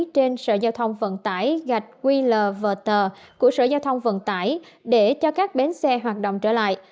trên sở giao thông vận tải gạch qlverter của sở giao thông vận tải để cho các bến xe hoạt động trở lại